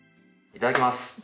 いただきます。